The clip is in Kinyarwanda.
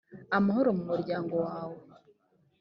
amahoro mu muryango wawe